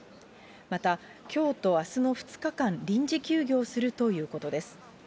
また、きょうとあすの２日間、臨時休業するということです。